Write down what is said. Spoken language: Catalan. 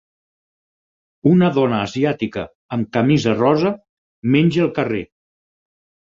Una dona asiàtica amb camisa rosa menja al carrer.